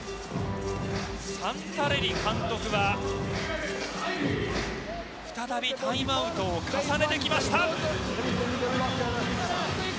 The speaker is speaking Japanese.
サンタレッリ監督は再びタイムアウトを重ねてきました。